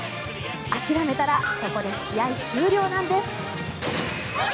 諦めたらそこで試合終了なんです。